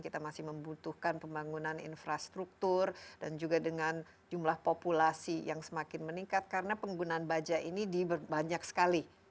kita masih membutuhkan pembangunan infrastruktur dan juga dengan jumlah populasi yang semakin meningkat karena penggunaan baja ini banyak sekali